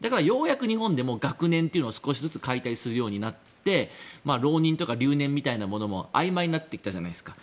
日本でも少しずつ学年を解体するようになって浪人とか留年みたいなものもあいまいになってきたじゃないですか。